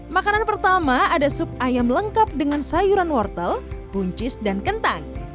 makanan pertama ada sup ayam lengkap dengan sayuran wortel buncis dan kentang